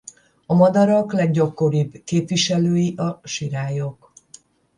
A madarak leggyakoribb képviselői a sirályok.